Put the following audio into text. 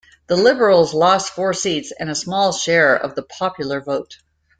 The Liberals lost four seats and a small share of the popular vote.